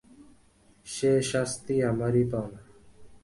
সে শাস্তি আমারই পাওনা।